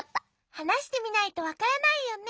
はなしてみないとわからないよね。